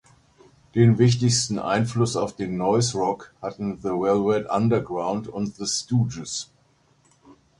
Den wichtigsten Einfluss auf den Noise-Rock hatten The Velvet Underground und The Stooges.